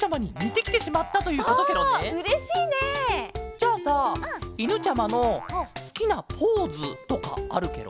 じゃあさいぬちゃまのすきなポーズとかあるケロ？